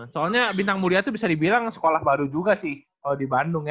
soalnya bintang mulia itu bisa dibilang sekolah baru juga sih di bandung ya